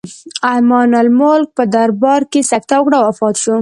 امان الملک په دربار کې سکته وکړه او وفات شو.